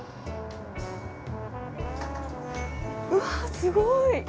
うわすごい！